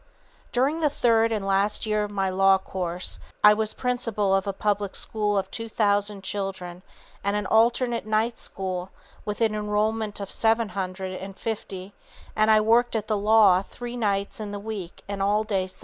During the third and last year of my law course, I was principal of a public day school of two thousand children and an alternate night school with an enrolment of seven hundred and fifty, and I worked at the law three nights in the week and all day Sunday.